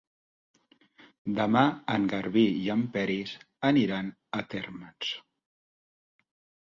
Demà en Garbí i en Peris aniran a Térmens.